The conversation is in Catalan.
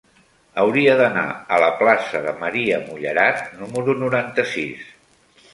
Hauria d'anar a la plaça de Maria Mullerat número noranta-sis.